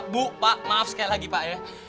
bu pak maaf sekali lagi pak ya